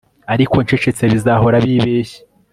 ariko ncecetse bizahora bibeshya